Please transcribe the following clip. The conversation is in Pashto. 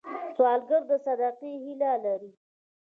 سوالګر د صدقې هیله لري